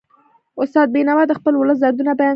استاد بینوا د خپل ولس دردونه بیان کړل.